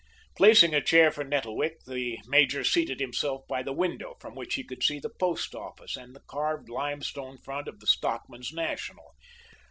Placing a chair for Nettlewick, the major seated himself by the window, from which he could see the post office and the carved limestone front of the Stockmen's National.